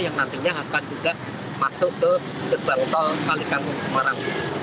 yang nantinya akan juga masuk ke gerbang tol kalikang semarang